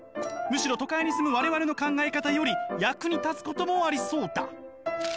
むしろ都会に住む我々の考え方より役に立つこともありそうだ」。